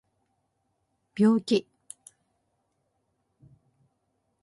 病気